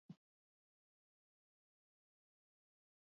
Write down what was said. Horretaz gain, lurraldean zehar izandako korrespontsaliak aztertuko dituzte.